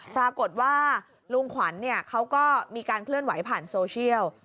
ปรากฏว่าลุงขวัญเขาก็มีการเคลื่อนไหวผ่านโซเชียล